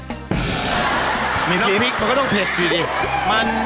น้ำพริกก็ต้องเผ็ดจริง